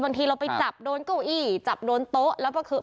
บางทีเราไปจับโดนเก้าอี้จับโดนโต๊ะแล้วก็คือ